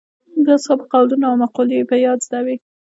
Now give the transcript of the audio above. د اصحابو قولونه او مقولې یې په یاد زده وې.